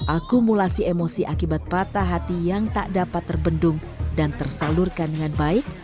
akumulasi emosi akibat patah hati yang tak dapat terbendung dan tersalurkan dengan baik